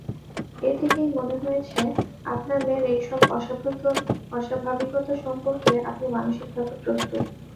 এ থেকেই মনে হয়েছে, আপনার মেয়ের এইসব অস্বাভাবিকতা সম্পর্কে আপনি মানসিকভাবে প্রস্তুত।